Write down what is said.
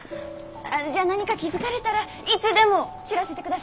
じゃ何か気付かれたらいつでも知らせてください。